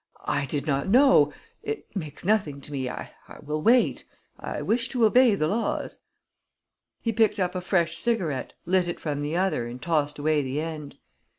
"I did not know it makes nothing to me I will wait I wish to obey the laws." He picked up a fresh cigarette, lit it from the other, and tossed away the end.